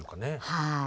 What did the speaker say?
はい。